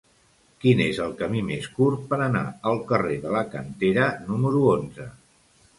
Quin és el camí més curt per anar al carrer de la Cantera número onze?